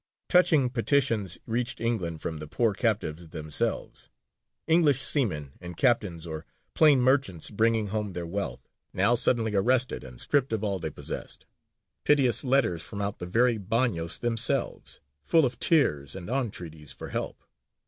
Touching petitions reached England from the poor captives themselves, English seamen and captains, or plain merchants bringing home their wealth, now suddenly arrested and stripped of all they possessed: piteous letters from out the very bagnios themselves, full of tears and entreaties for help.